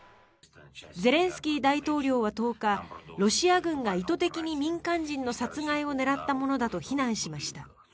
ゼレンスキー大統領は１０日ロシア軍が意図的に民間人の殺害を狙ったものだと非難しました。